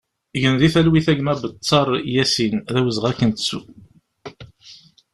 Gen di talwit a gma Bettar Yasin, d awezɣi ad k-nettu!